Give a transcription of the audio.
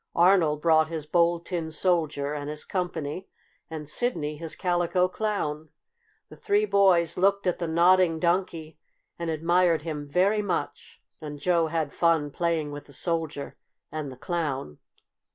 Arnold brought his Bold Tin Soldier and his company and Sidney his Calico Clown. The three boys looked at the Nodding Donkey and admired him very much, and Joe had fun playing with the Soldier and the Clown.